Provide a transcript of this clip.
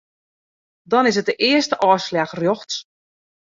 Dan is it de earste ôfslach rjochts.